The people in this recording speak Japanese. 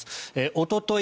おととい